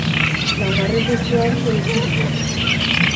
Laugarren postuari eutsi dio.